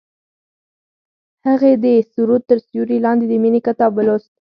هغې د سرود تر سیوري لاندې د مینې کتاب ولوست.